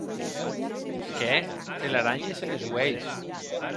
Qu’è telaranhes enes uelhs!